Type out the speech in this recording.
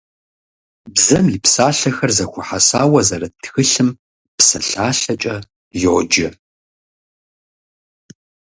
Бзэм и псалъэхэр зэхуэхьэсауэ зэрыт тхылъым псалъалъэкӏэ йоджэ.